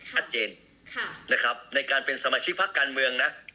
ชัดเจนนะครับในการเป็นสมาชิกพักการเมืองนะ